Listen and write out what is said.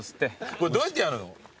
これどうやってやるの？